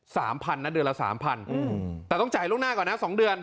สามพันนะเดือนละสามพันอืมแต่ต้องจ่ายล่วงหน้าก่อนนะสองเดือน